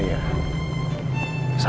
saya bukan siapa